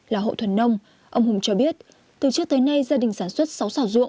là hộ thuần nông ông hùng cho biết từ trước tới nay gia đình sản xuất sáu xảo ruộng